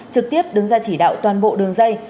trực tiếp đứng ra chỉ đạo toàn bộ đường dây